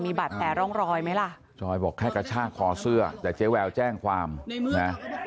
มีบาดแผลร่องรอยไหมล่ะจอยบอกแค่กระชากคอเสื้อแต่เจ๊แววแจ้งความนะ